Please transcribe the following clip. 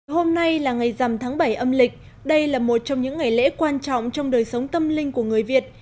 hôm nay là ngày dằm tháng bảy âm lịch đây là một trong những ngày lễ quan trọng trong đời sống tâm linh của người việt